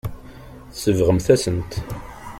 Tsebɣem-asen-t.